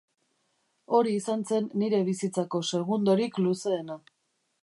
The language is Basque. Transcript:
Hori izan zen nire bizitzako segundorik luzeena.